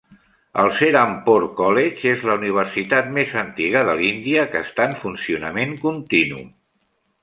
El Serampore College és la universitat més antiga de l'Índia que està en funcionament continu.